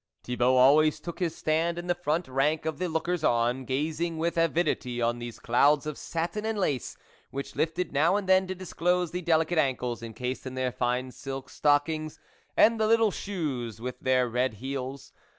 Thibault always took his stand in the front rank of the lookers on, gazing with avidity on these clouds of satin and lace, which lifted now and then to disclose the delicate ankles encased in their fine silk stockings, and the little shoes with their red heels.